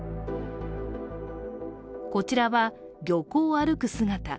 こちらは漁港を歩く姿。